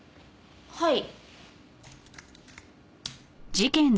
はい。